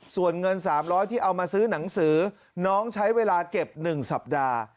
ส่วนเงิน๓๐๐ที่เอามาซื้อหนังสือน้องใช้เวลาเก็บ๑สัปดาห์